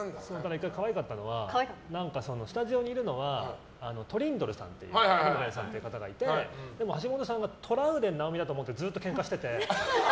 １回、可愛かったのがスタジオにいるのがトリンドルさんっていう方がいてでも橋下さんがトラウデン直美だと思ってずっとケンカしてて。